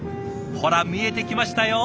ほら見えてきましたよ